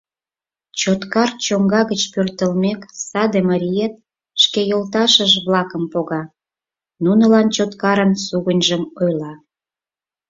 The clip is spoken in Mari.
Чоткар чоҥга гыч пӧртылмек, саде мариет шке йолташыж-влакым пога, нунылан Чоткарын сугыньыжым ойла.